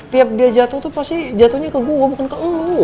tiap dia jatuh itu pasti jatuhnya ke gue bukan ke lo